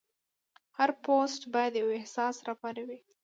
هر پوسټ باید یو احساس راوپاروي.